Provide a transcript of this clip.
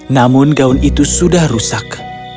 namun gaun itu sudah rusak